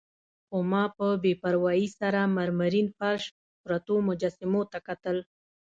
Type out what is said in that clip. خو ما په بې پروايي سره مرمرین فرش، پرتو مجسمو ته کتل.